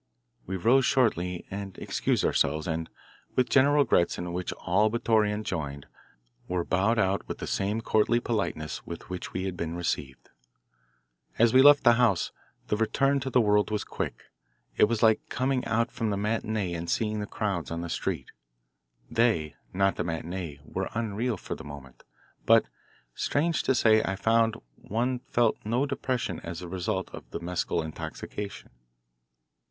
We rose shortly and excused ourselves and, with general regrets in which all but Torreon joined, were bowed out with the same courtly politeness with which we had been received. As we left the house, the return to the world was quick. It was like coming out from the matinee and seeing the crowds on the street. They, not the matinee, were unreal for the moment. But, strange to say, I found one felt no depression as a result of the mescal intoxication.